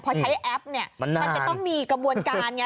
พอใช้แอปเนี่ยมันจะต้องมีกระบวนการไง